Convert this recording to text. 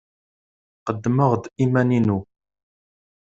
Qeddmeɣ-d iman-inu.